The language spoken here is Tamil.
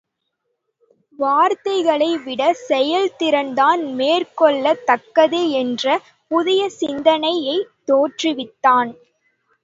வார்த்தைகளை விடச் செயல் திறன்தான் மேற் கொள்ளத் தக்கது என்ற புதிய சிந்தனை யைத் தோற்றுவித்தான்.